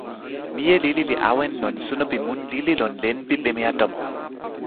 mije lili li awen lon suno pi mun lili lon len pi pimeja tomo.